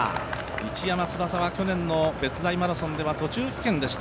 市山翼は去年の別大マラソンでは、途中棄権でした。